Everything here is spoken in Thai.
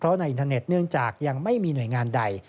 เพราะในอินเทอร์เน็ตยังไม่มีหน่วยงานใด